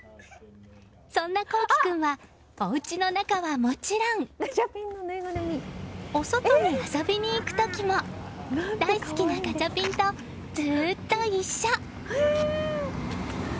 そんな聖君はおうちの中はもちろんお外に遊びに行く時も大好きなガチャピンとずっと一緒。